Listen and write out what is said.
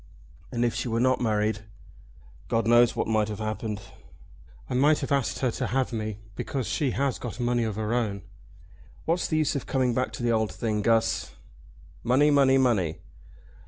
"And if she were not married?" "God knows what might have happened. I might have asked her to have me, because she has got money of her own. What's the use of coming back to the old thing, Guss?" "Money, money, money!"